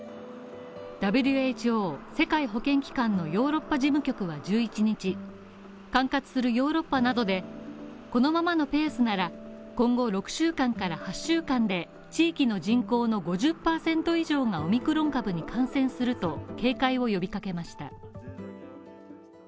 ＷＨＯ＝世界保健機関のヨーロッパ事務局は１１日、管轄するヨーロッパなどでこのままのペースなら、今後６週間から８週間で、地域の人口の５０％以上がオミクロン株に感染すると警戒を呼び掛けました。